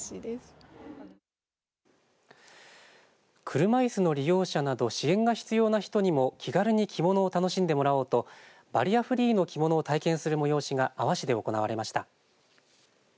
車いすの利用者など支援が必要な人にも気軽に着物を楽しんでもらおうとバリアフリーの着物を体験する催しが阿波市で行われました。